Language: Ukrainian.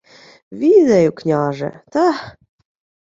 — Відаю, княже, та...